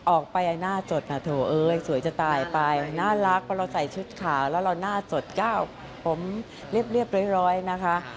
ออกไปหน้าจดค่ะโถเอ้ยสวยจะตายไปน่ารักเพราะเราใส่ชุดขาวแล้วเราหน้าจดก้าวผมเรียบร้อยนะคะ